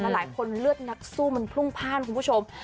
ก็หลายคนเลือดนักสู้มันพลุงพร่านครับคุณผู้ชม